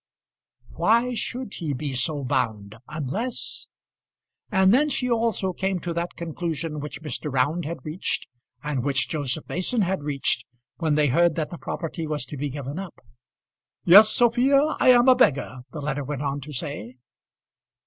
Why should he be so bound, unless ? And then she also came to that conclusion which Mr. Round had reached, and which Joseph Mason had reached, when they heard that the property was to be given up. "Yes, Sophia, I am a beggar," the letter went on to say.